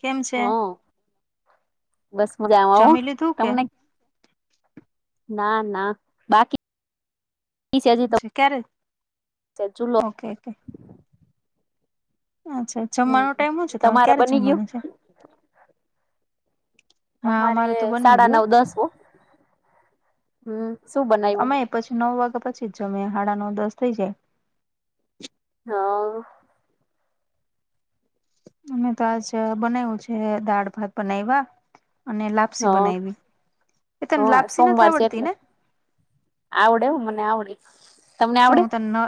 કેમ છે? હા બસ મજામાં હો! જમી લીધું કે તમને? ના ના બાકી હજી ક્યારે તો [inaudible] લો ઓકે કે અચ્છા હમ જમવાનો ટાઈમ સુ છે તમાર તમારે ક્યારે બની ગયું જમવાનું છે? હા અમારે તો બની સાડા ગયો નવ દસ હો. હમ્મ શું બનાયવુ? અમે પછી નવ વાગ્યા પછી જ જમીએ હાડા નવ દસ થઈ જાય. હા અમે તો આજ બનાયવુ છે દાળ-ભાત બનાયવા અને હ હ લાપસી બનાયવી. એ તને હ લાપસી નથી સોમવાર છે આવડતી એટલે ને આવડે હો. મને આવડે. તમને જો આવડે હું તને નવ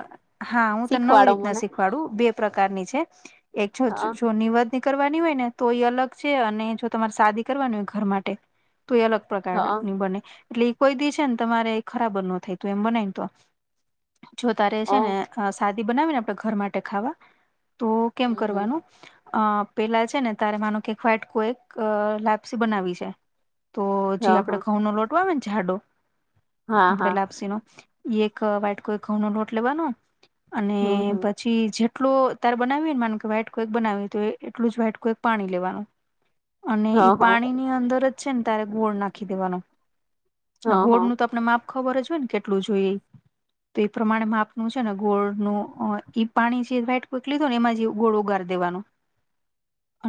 હા. હું તને નવી શીખવાડો રીતના મને શીખવાડું બે પ્રકારની છે એક છોછો હા છૂનીવત કરવાની હોય ને તો એ અલગ છે અને જો તમારે સાદી કરવાની હોય ઘર માટે તો એ અલગ હા પ્રકારની બને એટલે એ કોઈ દિ છેને તમારે ખરાબર નો થાય તું એમ બનાયને તો જો તારે હા છેને સાદી બનાવીને આપણેે ઘર માટે ખાવા તો કેમ હમ હમ કરવાનું આ પેલા છેને તારે માનો કે વાટકો એક લાપસી બનાવી છે તો જે હા આપડે હા ઘઉંનો લોટ આવેને જાડો હા આપડે હા લાપસીનો ઈ એક વાઈટકો ઈ ઘઉંનો લોટ લેવાનો અને હમ હમ પછી જેટલુ તારે બનાવી હોયને માનું કે વાઈટકો એક બનાવી હોય તો એટલું જ વ્હાટકો એક પાણી લેવાનું અને હા ઈ હા પાણીની અંદર જ છેને તારે ગોળ નાખી દેવાનો હા હા ગોળનું તો આપને માપ ખબર જ હોયને કેટલું જોઈ ઈ. તો એ પ્રમાણે માપનું છેને ગોળનું અ ઈ પાણી જે વાઈટકો એક લીધુંને એમાં જે ગોળ ઓગાર દેવાનો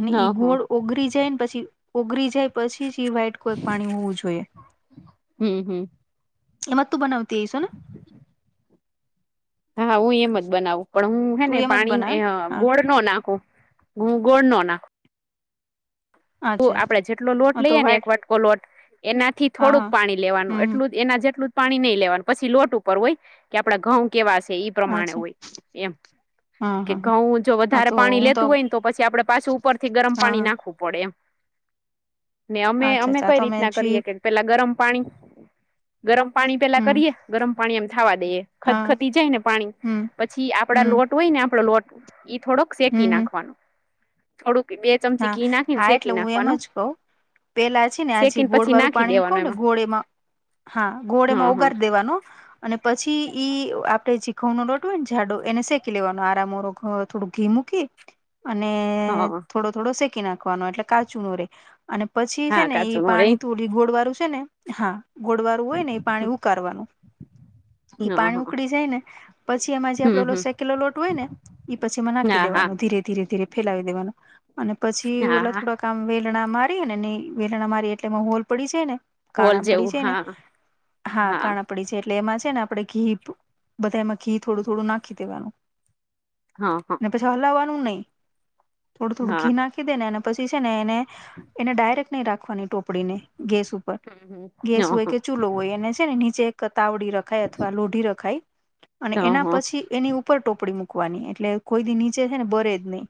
અને ઈ હા ગોળ ઓગરી જાયને પછી ઓગરી જાય પછી જ વ્હાઈટકો એક પાણી હોવું જોઈએ. હમ હમ એમાં તું બનાવ તે સને હા હું એમજ બનાવું પણ હું હે તું ને એમ જ પાણીમ બનાવે એહ ને હા ગોળ નો નાખું. હુ ગોળ નો નાખું અચ્છા આપડે અચ્છા જેટલો લોટ હા તો લઈએ ને વ્હાઈટ એક વાટકો લોટ એનાથી હા થોડુંક હા પાણી લેવાનું હમ હમ એટલું જ એના જેટલું પાણી નહી લેવાનું પસી લોટ ઉપર હોય કે આપડા ઘઉં કેવા સે ઈ પ્રમાણે અચ્છા હોય એમ હા કે હા હા ઘઉં જો હા વધારે તો પાણી હું લેતું હોયને તો પછી આપડે પાછું ઉપરથી ગરમ હા પાણી હા. નાખવું પડે એમ ને અમે અચ્છા અમે અચ્છા કઈ તો મેં રીતના જી કરીએ કે પેલા ગરમ પાણી ગરમ પાણી પેલા હમ કરીએ ગરમ પાણી એમ થાવા દઈએ હા ખદખદી જાયને પાણી હમ પછી આપડા હમ લોટ હોયને આપડો લોટ થોડોક હમ શેકી હમ. નાખવાનો થોડુંક બે ચમચી હા ઘી નાખીને હા શેક એટલે હું એમ જ ક‌ઉ પેલા છેને આજે શેકીને ગોળ પછી વાળું નાખી પાણી હું દેવાનું ક‌‌ઉને ગોળ એમાં હા ગોળ‌ હા એમાં હા ઓગારી દેવાનો અને પછી ઈ આપડે જી ઘઉંનો લોટ હોયને જાડો એને શેકી લેવાનો આરામોરો થોડું ઘી મૂકી અને હા થોડો થોડો શેકી નાખવાનો એટલે કાચું નો રેય અને પછી છે હા ને કાચું ઈ નો રે પાણી તું રીગોળવાળું છેને હા ગોડવારું હોય ને એ પાણી ઉકારવાનું એ હા પાણી હા ઉકળી જાય ને પછી એમાં જે હમ આપડો હમ સેકેલો લોટ હોય ને એ પછી એમાં નાખી હા હા દેવાનું ધીરે ધીરે ધીરે ફેલાવી દેવાનું અને પછી હા ઓલા હા થોડાક આમ વેલણા મારીએ ને નઈ વેલણા મારીએ એટલેમાં હોલ પડી જાય ને હોલ કાણાપડી જેવું છે ને હા હા કાણા પડી છે એટલે એમાં છે ને આપણે ઘી બધા એમાં ઘી થોડું થોડું નાખી દેવાનું હા હા અને પછી હલાવવાનું નહી થોડું થોડું હા ઘી નાખી દે ને અને પછી છે ને એને એને ડાયરેક્ટ નહીં રાખવાની ટોપ પડીને ને ગેસ ઉપર હમ હમ હ હ ગેસ હોય કે ચૂલો હોય એને છે ને નીચે એક તાવડી રક ખાય અથવા લોઢી રખાય અને એના હ પછી એની ઉપર ટોપડી મૂકવાની એટલે કોઈથી નીચે છે ને બરે જ નહી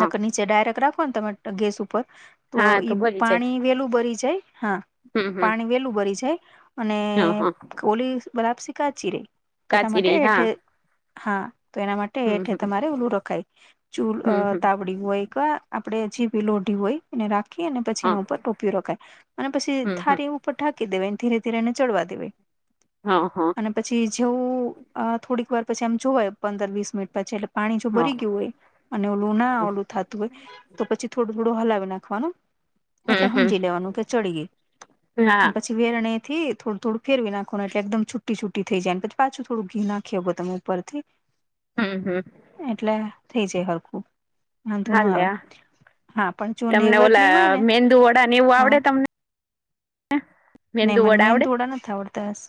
નક નીચે ડાયરેક્ટ રાખો ને તમે ગેસ ઉપર તો હા ઈ ભરી જાય પાણી વેલું બરી જાય હા હમ હમ પાણી વેલું બરી જાય અને હ હ ઓલી લાપસી કાચી રે તો એના કાચી માટે રહી હા એઠે હા તો એના માટે હમ એઠે હમ તમારે ઓલું રખાય. ચૂલ હમ હમ તાવડી હોય કે આપડે જેવી લોઢી હોય એને રાખી અને પછી હા એના ઉપર ટોપિયો રખાય અને પછી હમ હમ થારી ઉ ઉપર ઢાંકી દેવાય ને ધીરે ધીરે ને ચડવા દેવય્ હા હા અને પછી જેવું થોડીક વાર પછી આમ જોવાય પંદર વીસ મિનિટ પછી એટલે પાણી જો હા ભરી ગયું હોય અને ઓલું ના ઓલું થતું હોય તો પછી થોડું થોડું હલાવી નાખવાનું હમ એટલે હમ હમજી લેવાનું કે ચડી હા ગઈ પછી વેરણે થી થોડું થોડું ફેરવી નાખો એટલે એકદમ છુટી છુટી થઈ જાય પછી પાછું થોડું ઘી નાખીયા તમે ઉપરથી હમ્મ હમ્મ એટલે થઇ જાય હરખું વાંધુ નો હાલે આવે આ હા પણ જો તમને નેવદ ઓલા ની હોય ને મેંદુ વડા ને એવું હા આવડે તમને ને મેંદુ મન વડા મેન આવડે થોડા નથ આવડતાસ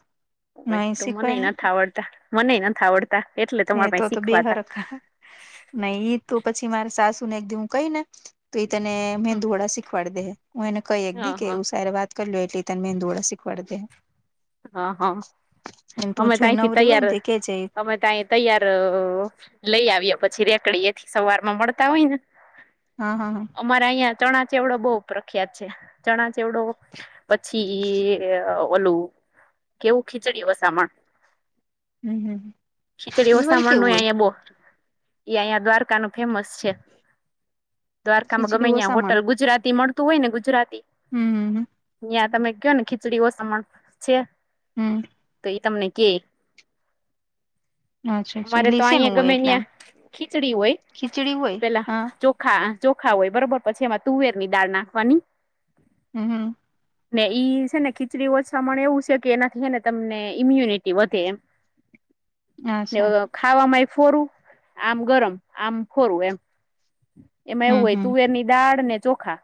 તો મનેય નથ આવડતા મનેય નથ આવડતા એટલે ને તમાર એ તો પાહે તો બે શીખવા તા હરખા નહી ઈ તો પછી મારે સાસુ ને દે હું કહી ને તો એ તને મેંદુવડા શીખવાડી દેહે હું એને કહી એક દી હ હ કેવું સાર વાત કર લો એટલી તને મેંદુવડા સીખવાડ દેહે. હ હા તું અમે જો તઈથી નવરી હોય તૈયાર ને તો કે જે અમે તઈ તૈયાર લઈ આવીએ પછી રેકડી એથી સવાર માં મળતા હોય ન હા હા હા અમારા અહિયાં ચણા ચેવડો બહુ પ્રખ્યાત છે ચણા ચેવડો. પછી એ ઓલું. કેવું ખીચડી વસામણ. હમ હમ શીચડીઓ ઈ વરી સામણ ન કેવું હોય અયાબો. ઈ અંયા દ્વારકા નું ફેમસ છે દ્વારકામાં ગમે ખીચડી અહં ઓસામણ હોટલ ગુજરાતી મળ તુ હોય ને ગુજરાતી હમ્મ ત્યાં તમે કયો ને ખીચડી ઓસ છે હમ્મ ઈ તમને કે અચ્છા અચ્છા અમારે એટલે તો ઈ શેનું ઐયા હોય ગમે એટલે આમ ન્યા ખીચડી હોય ખીચડી હોય પેલા હા ચો ખા ચોખા હોય બરોબર પછી એમાં તુવેરની દાળ નાખવાની હમ્મ હમ્મ ને ઈ છે ને ખીચડી ઓછા માણે એવું છે કે એનાથીને હેને તમને ઈમ્યુનિટી વધે એમ અચ્છા નેવવ ખાવામાં એ ફોરું આમ ગરમ આમ ફોરું એમ એમાં એવું હમ હોય હમ તુવેર ની દાળ ને ચોખા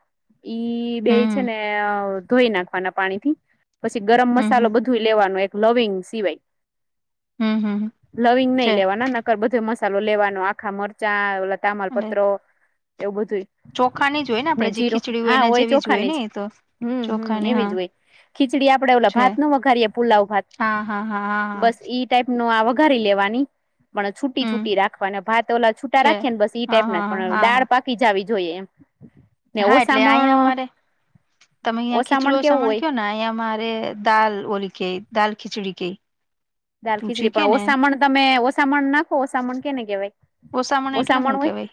ઈ બે છે હમ ને ધોઈ નાખવાના પાણી. થી પછી ગરમ હમ હમ મસાલો બધું લેવાનો એક લવિંગ સિવાય. હમ હમ લવિંગ નહી છે લેવાના નકર બધો મસાલો લેવાનો આખા મરચા ઓ તામલ પ. એટલે એવું બધું ચોખાની જ હોય ને આપડે જે જીર ખીચડી હા એના હોય જેવી જ ચોખાનીજ. ને એ તો હમ હમ ચોખાની એવીજ હા હોય ખીચડી આપડે ઓ છે ભાત ન વઘારીએ પુલાવ ભાત હા હા હા હા હા બસ ઈ. ટાઈપ ન આ વઘારી લેવાની પણ છૂટી હમ છુટી રાખવાને ભાત ઓલા છૂટા છે રાખી ને બસ હા ટાઈપ હા ના. હા પણ હા દાળ હા પાકી જવી જોઈએ એમ. ને હા એટલે અહીંયા ઓસામણ અમારે તમે અહીંયા ઓસામણ ખીચડું કેવું સણ હોય કયો ને અહીંયારે. દાાલ ઓલ કેઈ દાાલ ખીચુડી કેઈ. દાલ ખીચડી પણ ઓ સામાન તમે ઓ સામાન નાખ. ઓસામણ કેને કહેવાય એટલે ઓસામણ શું હોય. કેવાય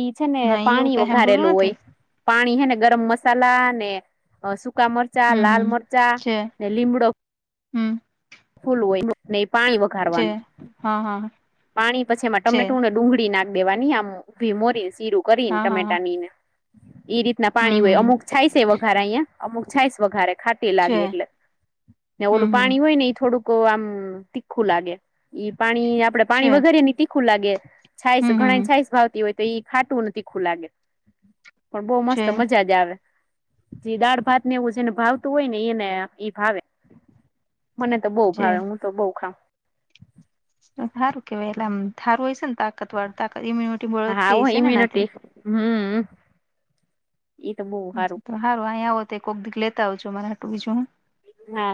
ઈ છે ને ના એવું પાણી કઈ સાંભળવું વઘારેલું નથી હોય. પાણી હે ને ગરમ મસાલા ને સુકા મરચા હમ લાલ હમ મરચાં ને લીમડો હમ્મ. ફૂલ હોય ને પાણી વ છે હા હા. પાણી પછી એમાં છે ટમેટું ને ડુંગળી નાખ દેવાની આમ ઊભી મોરીને સીરું કરીને હા હા હા ટમેટા નીને. એ રીતના હમ પાણી હોય હમ અમુક છાય છે વઘારે અહિયાયા અમુક છાય વઘારે. ખાટે છે લાગે એટલે ને હમ ઓલું હમ પાણી હોય ને એ થોડુંક. આમ તીખું લાગે ઈ પાણી આપડે છે પાણી વગરે ની તીખું લાગે. છાઈસ હમ હમ ઘણા છાઈસ ભાવતી હોય તો ઈ ખાટું ને થીખું લાગે. પણ બહુ છે મસ્ત મજાજ આવે. જે દાળ ભાત ને એવું જેને ભાવતું હોય ને એને એ ભાવે. મને તો બહું છે ભાવે હું તો બઉ ખાઉ. હારું કેવાય એટલે આમ હારું હશે ને કાક અથવા તાત ઈમ્યુનિટી મળતી હશે ને એનાથી. હમ્મ. તો સારું અહીંયા આવો તો એક કોક દીક લેતા આવજો મારા હાટું બીજું હું. હા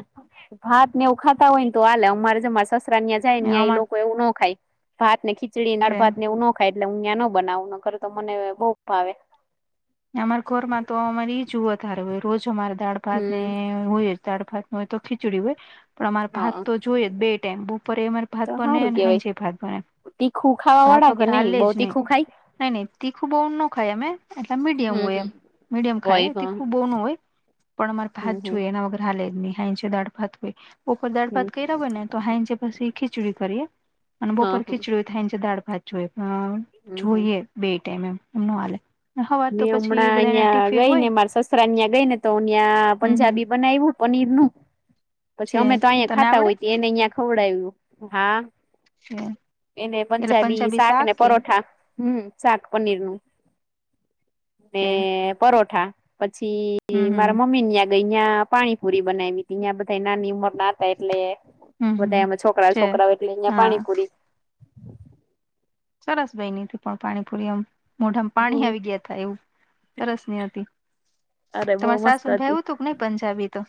ભાત ને એવું ખાતા હોય ને તો હાલે અમારે જ અમારે સસરા ને અહીંયા હું ખાય ને એ અમાર લોકો એવું ન ખાય ભાત ને ખીચડી દાળ છે ભાતને એવું નો ખાય એટલે હું અહીંયા નો બનાવું નકર તો મને બહુ ભાવે. અમારા ઘરમાં તો અમારે એજ વધારે હોય રોજ અમાર દાળ ભાત ને હમ હોય જ દાળ ભાત ન હોય તો ખીચડી હોય. પણ અમારે ભાત હા તો જોઈએ બે ટાઈમ બપોરે અમારે ભાત તો બને સારું અને કેવાય હાંજે ભાત બને. તીખું ખાવા વાળા ભાત કે વગર નહી હાલે જ બહું તીખું ખાય નઈ નહી તીખું બહુ નો ખાય અમેં એટલે મીડિયમ હમ હોય હમ એમ મીડિયમ હોય ખાય હ તીખું હમ બહુ નો હોય પણ અમારે ભાત હમ જોઈ એના વગર હાલે જ નહી હાજે દાળ ભાત હોય બપોર દાળ હમ ભાત કર્યા હોય ને તો હાજે પછી ખીચડી કરીએ અને હા બપોર હ ખીચડી થાય છે દાળ ભાત જોઈએ પણ અ હમ હમ જોઈએ બે ટાઈમ એમ એમ નો હાલે. હવાર તો મેં પછી હમણાં બધાને અહિયાં ટિફિન ગઈ ને હોય મારા સસરા ન્યાય ગઈ ને તો ન્યાયા હમ હમ પંજાબી બનાવ્યું. પનીર નું પછી છે અમે તો અહીંયા તને ખાતા આવડે હોય એને અહિયા ખવડાવ્યું હા. છે એને પંજાબી શાક ને પરોઠા હમ્મ શાક પનીરનું. ને છે પરોઠા પછી હમ હમ મારા મમ્મીની ન્યાયા અહિયાં પાણીપુરી બનાવી હતી અહીંયા બધા નાની ઉંમરના હતા એટલે હમ બધા હમ એમાં છોકરા છે છોકરાઓ એટલે અહિયાં હા પાણીપુરી સરસ બઈની થી પણ પાણીપુરી એમ. મોઢામાં પાણી હમ આવી ગયા થયા તા એવું સરસ બની હતી. અરે બહુ તમારે સાસુ મસ્ત ન હતી ભાવયુ તું કે નઈ પંજાબીતો.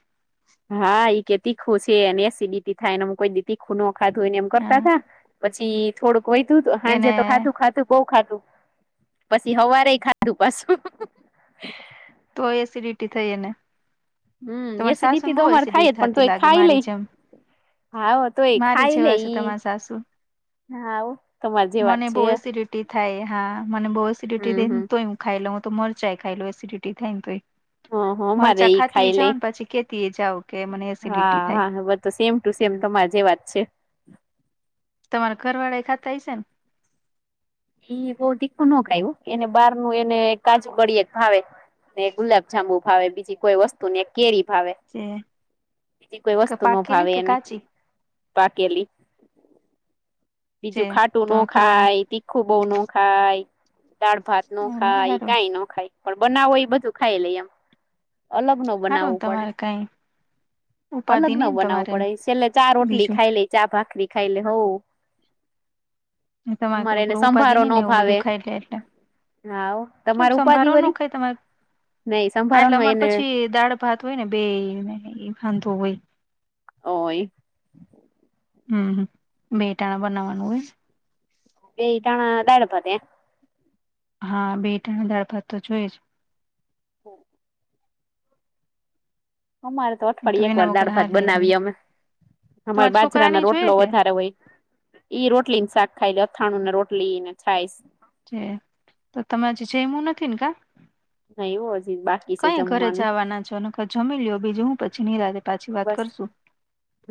હા એ કે તીખું છે એને એસિડિટી થાયને કોઈ તીખું નો ખાધું એને એમ કરતા હા હતા. પછી થોડુંક વય ધુતું હાજે એને તો ખાધું ખાધુ બઉ ખાધું. પછી હવારે ખાધું પાછું. તો એસિડિટી થઈ એને હમ્મ તમારી સાસુ ને એસિડિટી તો બહુ અમારે થાય જ એસિડિટી પણ થતી તોય લાગે ખાઈ મારી લઈ જેમ હા તો એ મારી ખાઈ જેવા છે લઈ તમારા સાસુ હા હો તમારી જેવા જ મને બહુ છે. એસિડિટી થાય હા મને બઉ એસિડિટી હમ થઈને હમ તોય ખાઈ લઉ તો મરચાઈ ખાઈ લઉ એસિડિટી થાય ને તોએ હ હ અમારે મરચા ઈ ખાતી ખાઈ લે જાઓ ને પછી કેતી એ જાવ કે મને એસિડિટી હા થાય. હા બ તો સેમ ટુ સેમ તમાર જેવા જ છે. તમારા ઘરવાળા એ ખાતા હશે ને એ બહું તીખું નો ખાય એવું એને બાર નું એને કાજુ ગળીએ ભાવે ને ગુલાબ જાંબુ ભાવે બીજી કોઈ વસ્તુ ને કેરી ભાવે. ને બીજી કોઈ જે વસ્તુ નો પાકેલી ભાવે કે એને કાચી પાકેલી જે બીજું ખાટું નો તમારા ઘરવાળા ખાય તીખું બઉ નો ખાય દાળ ભાત નું ખાય હારું કઈ ન ખાય પણ બનાવો એ બધું ખાઈ લઈ એમ અલગ નો હારું ને બનાવું પડે તમારે કઈ અલગ ઉપાધિ ન નઈ ને બનાવવું તમારે પડે છેલ્લે ચાર રટલી બીજું ખાઈ લે ચા ભાકરી ખાયલે હઉ તમાર અમારે એને કેવુ ઉપાધિ સંભારો નહી ન ને એવું બધું ભાવે ખાઈ લે એટલે હા હો, કેમ તમારે ઉપાધિ સંભળો નો વરી ખાય તમાર નઈ સંભારો એટલે ન અમારે એને પછી દાડ ભાત હોય ને બે વાંધો હોય હોવે એ હમ્મ બેટાણા બનાવવાનું હોય બેટાણા દાળ ભાત એમ. હા બેટાણા દારપાત તો જોઈ જ હમ હમર તો અઠવાડિયે એક એના વાર વગર દાળ હાર ભાત લે જ નહી બનાવીએ અમે અમાર તમારા છોકરા ને બાજરાના જોઈએ રોટલો કે વધારે હોય ઈ રોટલી ને શાક ખાઈ અથાણું ને રોટલી ને છાય તો તમેજ જેમું નથી ને કા નહી એવું હજી બાકી છે કઈ ઘરે જમવાનું જવા ના છો અને જમી લો બીજું હું પછી નિરાજે પાછી વાત બસ કરશું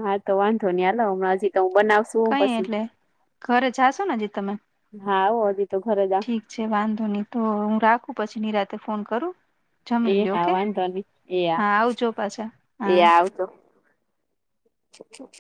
હા તો વાંધો નહી હાલ હમ હજી તો હું બનાવશ શું કઈ પછી એટલે ઘરે જાશો ને હજી તમે હાધી તો ઘરે જ ઠીક વાંધો ની તો હું રાખું પછી ની રાતે ફોન કરું એ જમી લ્યો હા કે વાંધો નહી એ હા આવજો પાછા એ હા આવજો છ છ છ